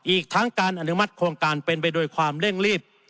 อีกทั้งการอนุมัติโครงการเป็นไปโดยความเร่งรีบ